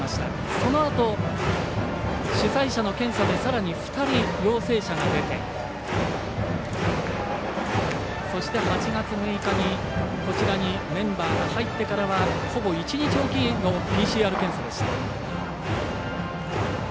そのあと、主催者の検査でさらに２人、陽性者が出てそして８月６日にこちらにメンバーが入ってからはほぼ１日おきのＰＣＲ検査でした。